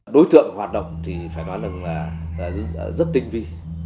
đối tượng hoạt động thì phải nói rằng là rất tinh vi